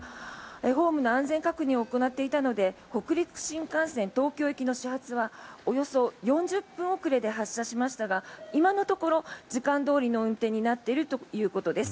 ホームの安全確認を行っていたので北陸新幹線の東京行きの始発はおよそ４０分遅れで発車しましたが今のところ時間どおりの運転になっているということです。